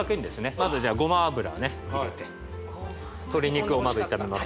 まずじゃごま油ね入れて鶏肉をまず炒めます